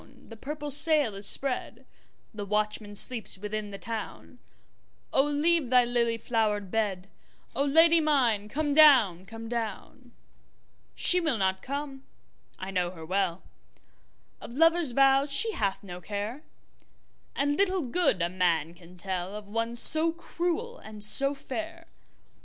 the purple sail is spread, The watchman sleeps within the town,O leave thy lily flowered bed,O Lady mine come down, come down! She will not come, I know her well, Of lover's vows she hath no care, And little good a man can tellOf one so cruel and so fair.